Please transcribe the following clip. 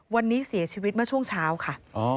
วันนี้เสียชีวิตเมื่อช่วงเช้าค่ะ